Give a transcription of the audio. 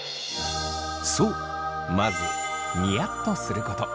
そうまずにやっとすること。